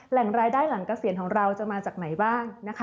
แหล่งรายได้หลังเกษียณของเราจะมาจากไหนบ้างนะคะ